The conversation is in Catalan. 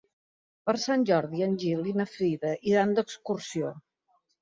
Per Sant Jordi en Gil i na Frida iran d'excursió.